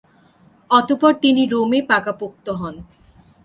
অতঃপর তিনি রোমে পাকাপোক্ত হন।